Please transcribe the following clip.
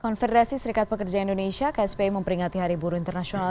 konfederasi serikat pekerja indonesia kspi memperingati hari buruh internasional